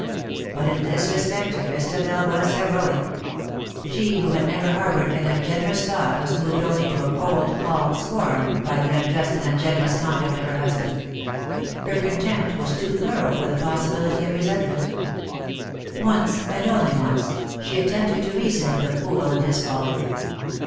But in this respect Christabel was heroic. She who had never harboured an ungenerous thought was moved only to a cold calm scorn by the unjust and ungenerous conduct of her husband. Her WE DRAW NIGH THEE." 169 contempt was too thorougli for the possibility of resentment. Once^ and once only^ she attempted to reason with a fool in his folly.